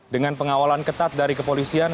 dengan pengawalan ketat dari kepolisian